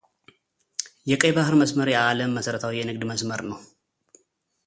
የቀይ ባህር መስመር የዓለም መሠረታዊ የንግድ መስመር ነው።